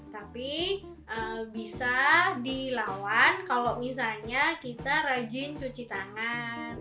tapi bisa dilawan kalau misalnya kita rajin cuci tangan